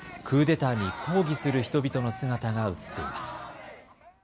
クーデターに抗議する人々の姿が写っています。